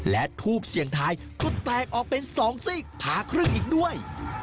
และทูบเสี่ยงทายก็แตกออกเป็น๒ซีกผาครึ่งอีกด้วย